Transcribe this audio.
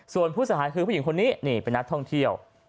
ส่วนผู้หญิงที่เป็นนัดท่องเที่ยว